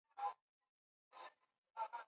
Jackson badala ya kuuliza maswali ya moja kwa moja